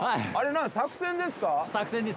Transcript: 作戦です。